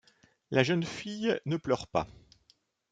La jeune fille ne pleure pas.